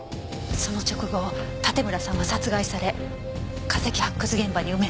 その直後盾村さんは殺害され化石発掘現場に埋められた。